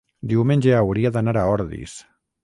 diumenge hauria d'anar a Ordis.